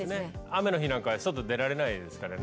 雨の日なんかは外出られないですからね。